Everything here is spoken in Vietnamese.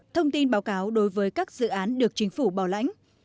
thông tin báo cáo đối với các dự án được chính phủ bảo lãnh